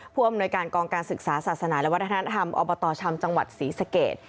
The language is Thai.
ผู้อำนวยการกองการศึกษาศาสนาและวัฒนธรรมอบตชำจังหวัดศรีสเกต